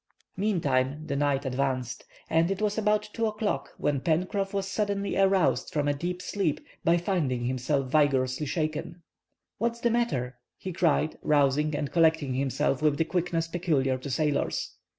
Meantime the night advanced; and it was about 2 o'clock when Pencroff was suddenly aroused from a deep sleep by finding himself vigorously shaken. "What's the matter?" he cried, rousing and collecting himself with the quickness peculiar to sailors.